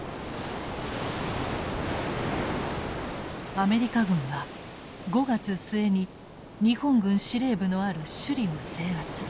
アメリカ軍は５月末に日本軍司令部のある首里を制圧。